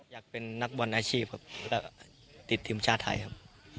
อยากเป็นนักบอลอาชีพครับแล้วก็ติดทีมชาติไทยครับ